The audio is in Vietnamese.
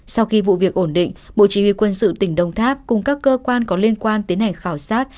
sau khi vụ việc ổn định bộ chỉ huy quân sự tỉnh đồng tháp cùng các cơ quan có liên quan tiến hành khảo sát